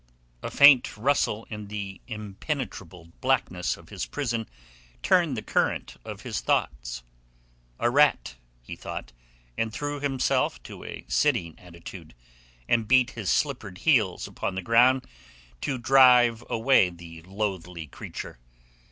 A faint rustle in the impenetrable blackness of his prison turned the current of his thoughts. A rat, he thought, and drew himself to a sitting attitude, and beat his slippered heels upon the ground to drive away the loathly creature.